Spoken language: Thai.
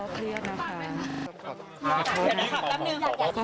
ขอโทษนะค่ะ